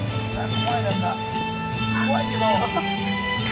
怖いけど。